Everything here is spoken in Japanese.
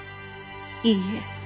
いいえ。